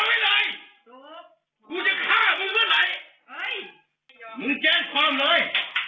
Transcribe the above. มึงจะฆ่ามึงเมื่อไหร่เฮ้ยมึงแก้ความร้อย